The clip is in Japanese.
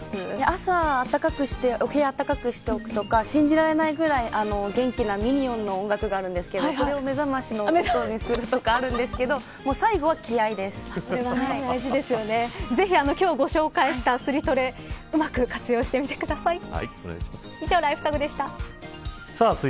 朝、温かくしてお部屋をあったかくしておくとか信じられないぐらい元気なときがあるんですけどそれを、めざましの音にすることがあるんですけどぜひ、今日ご紹介したスリトレうまく活用してみてください。